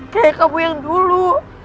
kayak kamu yang dulu